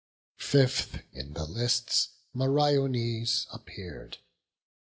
Fifth in the lists Meriones appear'd.